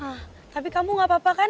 ah tapi kamu gak apa apa kan